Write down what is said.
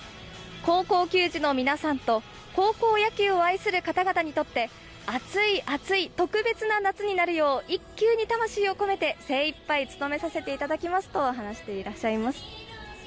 高校球児の皆さんと、高校野球を愛する方々にとって、熱い熱い特別な夏になるよう、一球に魂を込めて、精いっぱい務めさせていただきますと話していらっしゃいます。